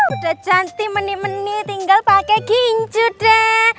udah cantik meni meni tinggal pakai kincu deh